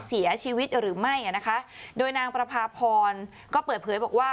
เสียชีวิตหรือไม่อ่ะนะคะโดยนางประพาพรก็เปิดเผยบอกว่า